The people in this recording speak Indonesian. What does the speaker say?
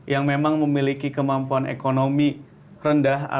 yang memang memiliki kemampuan ekonomi rendah